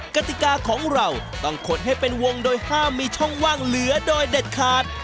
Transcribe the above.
กติกาของเราต้องขนให้เป็นวงโดยห้ามมีช่องว่างเหลือโดยเด็ดขาด